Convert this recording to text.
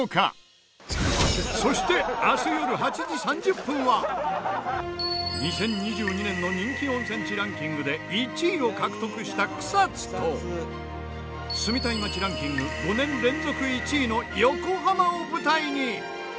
そして２０２２年の人気温泉地ランキングで１位を獲得した草津と住みたい街ランキング５年連続１位の横浜を舞台に。